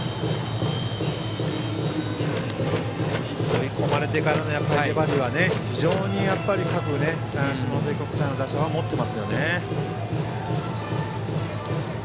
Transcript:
追い込まれてからの粘りは非常に下関国際の打者は持っていますよね。